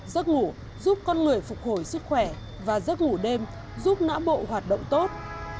giấc ngủ giúp con người phục hồi sức khỏe và giấc ngủ đêm giúp nã bộ hoạt động tốt